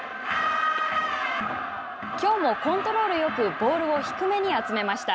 きょうもコントロールよくボールを低めに集めました。